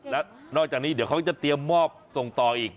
แล้วนอกจากนี้เดี๋ยวเขาจะเตรียมมอบส่งต่ออีก